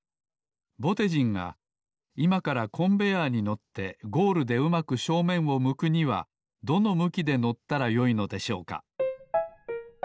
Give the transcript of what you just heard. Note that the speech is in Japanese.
ぼてじんがいまからコンベアーに乗ってゴールでうまく正面を向くにはどの向きで乗ったらよいのでしょうか？